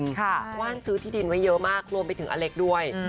ว่านซื้อที่ดินไว้เยอะมากรวมไปถึงอเล็กด้วย